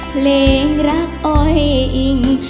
เพลงรักอ้อยอิง